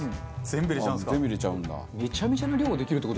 全部入れちゃうんだ。